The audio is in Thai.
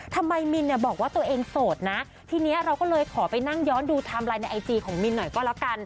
มินเนี่ยบอกว่าตัวเองโสดนะทีนี้เราก็เลยขอไปนั่งย้อนดูไทม์ไลน์ในไอจีของมินหน่อยก็แล้วกัน